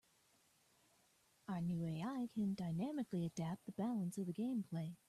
Our new AI can dynamically adapt the balance of the gameplay.